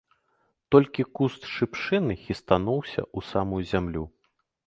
Толькі куст шыпшыны хістануўся ў самую зямлю.